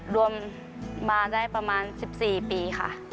รวมมาได้ประมาณ๑๔ปีค่ะ